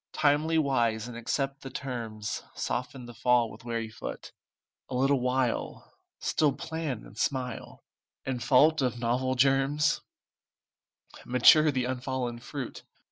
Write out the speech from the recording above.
Timely wise accept the terms, Soften the fall with wary foot; A little while Still plan and smile, And, fault of novel germs, Mature the unfallen fruit.